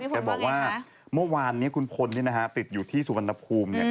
แกบอกว่าเมื่อวานนี้คุณพลติดอยู่ที่สุวรรณภูมิ